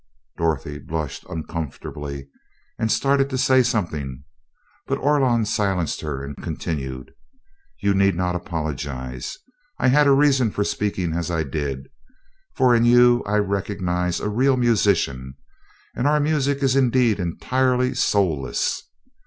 Dorothy blushed uncomfortably and started to say something, but Orlon silenced her and continued: "You need not apologize. I had a reason for speaking as I did, for in you I recognize a real musician, and our music is indeed entirely soulless.